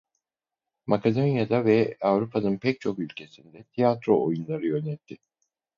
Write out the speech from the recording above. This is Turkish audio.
Makedonya'da ve Avrupa'nın pek çok ülkesinde tiyatro oyunları yönetti.